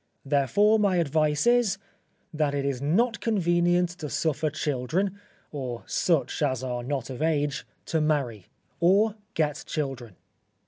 Therefore, my advice is: that it is not convenient to suffer children, or such as are not of age, to marry, or get children.